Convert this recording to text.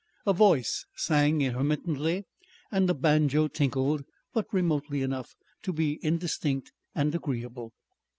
A voice sang intermittently and a banjo tinkled, but remotely enough to be indistinct and agreeable.